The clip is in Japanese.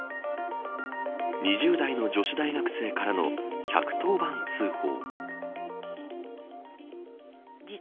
２０代の女子大学生からの１１０番通報。